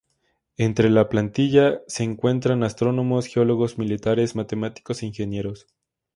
Entre la plantilla se encuentran astrónomos, geólogos, militares, matemáticos e ingenieros.